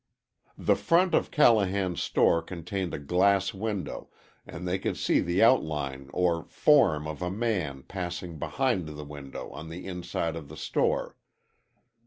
The front of Callahan's store contained a glass window, and they could see the outline or form of a man passing behind the window on the inside of the store.